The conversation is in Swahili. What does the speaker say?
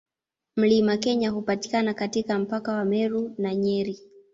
Mlima Kenya hupatikana katika mpaka wa Meru na Nyeri.